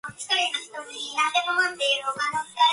水の入っていない水槽のような静けさがあって、次に君が口を開いた